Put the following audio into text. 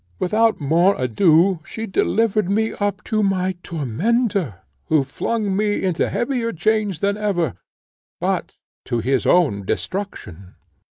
Without more ado she delivered me up to my tormentor, who flung me into heavier chains than ever, but to his own destruction.